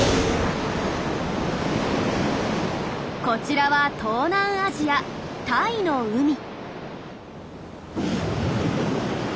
こちらは東南アジアタイの海。